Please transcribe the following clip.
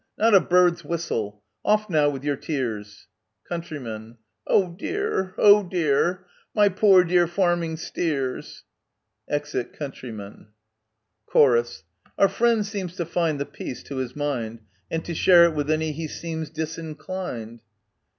Not a bird's whistle ! OfF now, with your tears ! Count. Oh dear ! oh dear ! my poor dear farming steers ! [Exit Countryman. Chor. Our friend seems to find the peace to his mind, And to share it with any he seems disinclined